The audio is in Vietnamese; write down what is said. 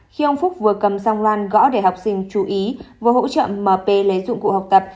khi ông phúc vừa cầm sang loan gõ để học sinh chú ý vừa hỗ trợ mp lấy dụng cụ học tập